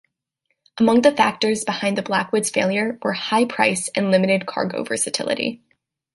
Among the factors behind the Blackwood's failure were high price and limited cargo versatility.